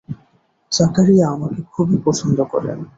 জাকারিয়া আমাকে খুবই পছন্দ করেন।